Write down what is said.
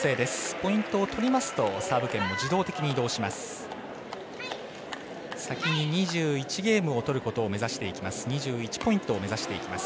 ポイントを取りますとサーブ権も自動的に移動します。